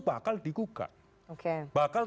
bakal digugat oke bakal